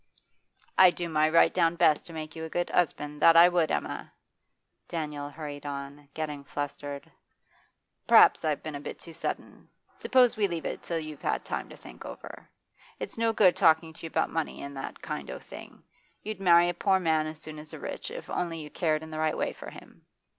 'I'd do my right down best to make you a good 'usband, that I would, Emma!' Daniel hurried on, getting flustered. 'Perhaps I've been a bit too sudden? Suppose we leave it till you've had time to think over? It's no good talking to you about money an' that kind o' thing; you'd marry a poor man as soon as a rich, if only you cared in the right way for him.